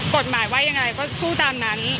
กฎหมายว่ายังไงก็สู้ตามนั้น